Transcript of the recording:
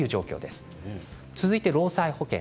続いて労災保険。